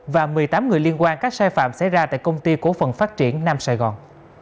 và một mươi tám người liên quan các sai phạm xảy ra tại công ty cổ phần phát triển nam sài gòn